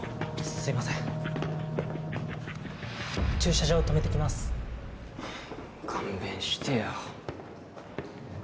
すいません駐車場とめてきますはあ勘弁してよ